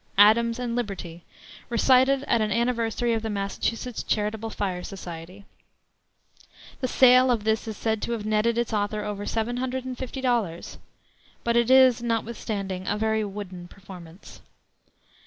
Adams and Liberty, recited at an anniversary of the Massachusetts Charitable Fire Society. The sale of this is said to have netted its author over $750, but it is, notwithstanding, a very wooden performance.